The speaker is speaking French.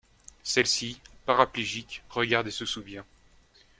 Celle-ci, paraplégique, regarde et se souvient.